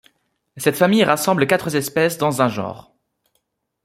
Cette famille rassemble quatre espèces dans un genre.